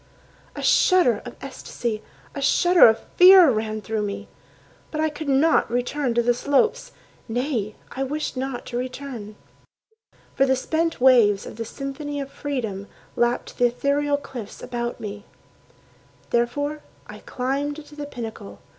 A shudder of ecstasy, a shudder of fear Ran through me. But I could not return to the slopes— Nay, I wished not to return. For the spent waves of the symphony of freedom Lapped the ethereal cliffs about me. Therefore I climbed to the pinnacle.